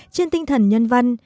trên tinh thần nhân văn